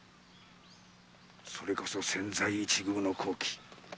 それこそ千載一遇の好機